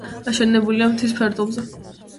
აშენებულია მთის ფერდობზე.